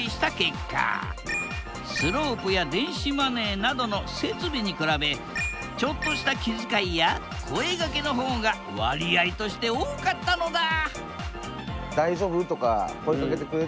スロープや電子マネーなどの設備に比べちょっとした気遣いや声がけの方が割合として多かったのだ！